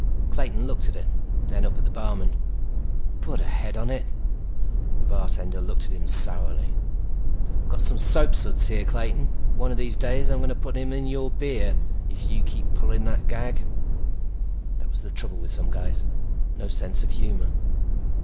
Clayton looked at it, then up at the barman. "Put a head on it." The bartender looked at him sourly. "I've got some soapsuds here, Clayton, and one of these days I'm gonna put some in your beer if you keep pulling that gag." That was the trouble with some guys. No sense of humor.